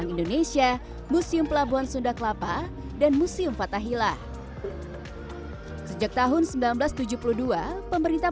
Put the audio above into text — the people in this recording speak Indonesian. indonesia museum pelabuhan sunda kelapa dan museum fathahila sejak tahun seribu sembilan ratus tujuh puluh dua pemerintah